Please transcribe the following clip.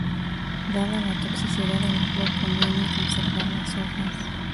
Dada la toxicidad de la flor, conviene conservar las hojas.